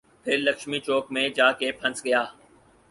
پھر لکشمی چوک میں جا کے پھنس گیا۔